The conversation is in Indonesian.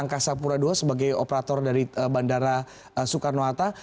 angka sapura dua sebagai operator dari bandara soekarno hatta